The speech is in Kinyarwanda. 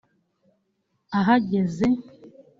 Ahageze